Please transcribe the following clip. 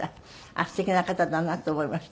素敵な方だなって思いました。